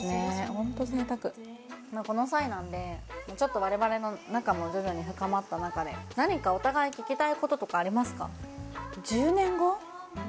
ホント贅沢この際なんでちょっと我々の仲も徐々に深まった中で何かお互い聞きたいこととかありますか？